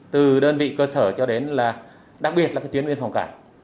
từ đơn vị cơ sở cho đến đặc biệt là tuyên viên phòng cảng